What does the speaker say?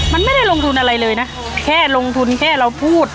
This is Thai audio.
มันไม่ได้ลงทุนอะไรเลยนะแค่ลงทุนแค่เราพูด